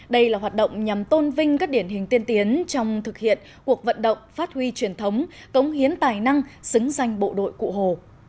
đây là hoạt động nhằm tôn vinh các điển hình tiên tiến trong thực hiện cuộc vận động phát huy truyền thống cống hiến tài năng xứng danh bộ đội cụ hồ